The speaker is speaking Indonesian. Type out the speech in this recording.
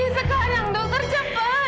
sekarang dokter cepat